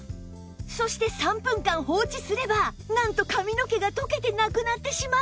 そして３分間放置すればなんと髪の毛が溶けてなくなってしまうんです！